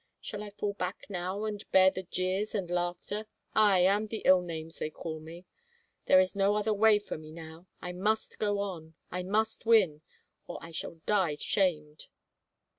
Shall I fall back now and bear the jeers and laughter, aye, and the ill names they call me ? There is no other way for me now — I must go on, I must win, or I shall die shamed